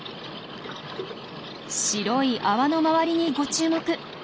白い泡の周りにご注目。